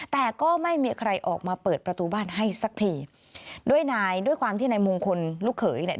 แต่ก็ไม่มีใครออกมาเปิดประตูบ้านให้สักทีด้วยนายด้วยความที่นายมงคลลูกเขยเนี่ย